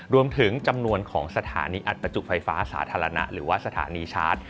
รวมถึงจำนวนของสถานีอัดประจุไฟฟ้าสาธารณะหรือว่าสถานีชาร์จ